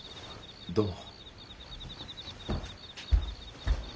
どうも。